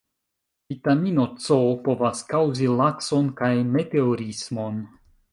Vitamino C povas kaŭzi lakson kaj meteorismon.